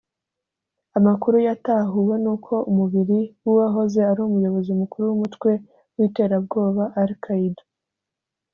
Amakuru yatahuwe ni uko umubiri w’uwahoze ari Umuyobozi Mukuru w’Umutwe w’Iterabwoba Al Qaeda